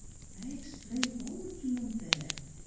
I explain all to mon pere.